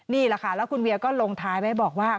นี่แหละค่ะแล้วคุณเวียก็ลงท้ายไว้บอกว่า